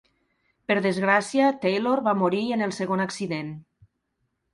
Per desgràcia, Taylor va morir en el segon accident.